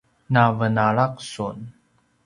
na venala sun